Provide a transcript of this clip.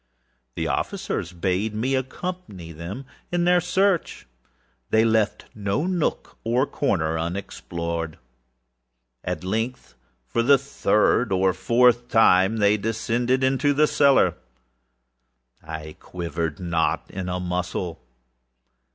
The officers bade me accompany them in their search. They left no nook or corner unexplored. At length, for the third or fourth time, they descended into the cellar. I quivered not in a muscle.